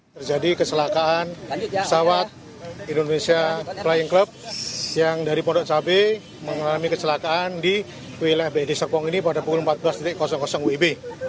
terjadi kecelakaan pesawat indonesia flying club yang dari pondok cabai mengalami kecelakaan di wilayah bd serpong ini pada pukul empat belas wib